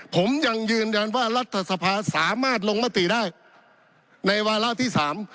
ผมยังยืนยันว่ารัฐสภาสามารถลงมติได้ในวาระที่สาม